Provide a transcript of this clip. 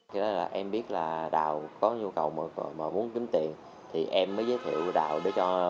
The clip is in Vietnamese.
để thực hiện hành vi lừa đảo các đối tượng đã xây dựng kịch bản tinh vi thuê nhà và thuê